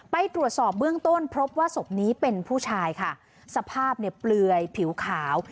ไปตรวจสอบเบื้องต้นพบว่าศพนี้เป็นผู้ชายค่ะสภาพเนี่ยเปลือยผิวขาว